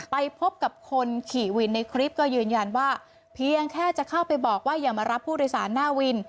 ไปพบกับคนขี่วินในคลิปก็ยืนยันว่าเพียงแค่จะเข้าไปบอกว่าอย่ามารับผู้โดยสารหน้าวิน